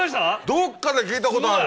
どっかで聞いたことある。